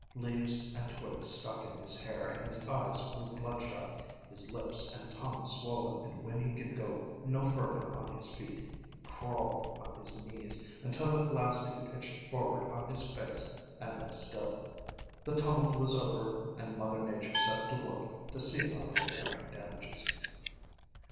Leaves and twigs stuck in his hair, and his eyes grew bloodshot, his lips and tongue swollen, and when he could go no further on his feet, he crawled on his knees, until at last he pitched forward on his face and lay still. The tumult was over and Mother Nature set to work to see about repairing damages.